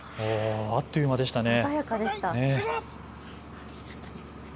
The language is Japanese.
あっという間でしたね。